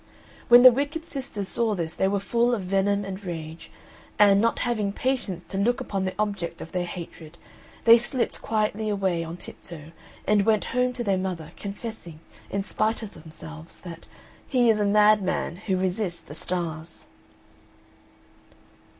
When the wicked sisters saw this they were full of venom and rage, and, not having patience to look upon the object of their hatred, they slipped quietly away on tip toe and went home to their mother, confessing, in spite of themselves, that "He is a madman who resists the Stars."